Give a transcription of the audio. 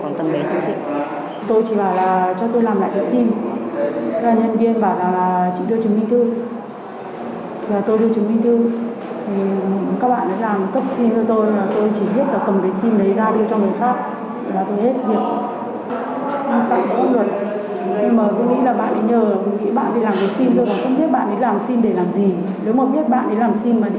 không biết bạn ấy làm sim để làm gì nếu mà biết bạn ấy làm sim mà đi lấy tiền của người khác thì tôi không bao giờ làm